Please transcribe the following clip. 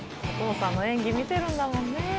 お父さんの演技見てるんだもんね